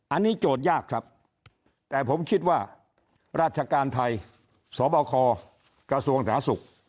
อันนี้โจทย์ยากครับแต่ผมคิดว่าราชการไทยสบคกระทรวงสาธารณสุข